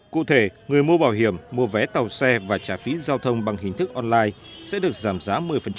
cụ thể người mua bảo hiểm mua vé tàu xe và trả phí giao thông bằng hình thức online sẽ được giảm giá một mươi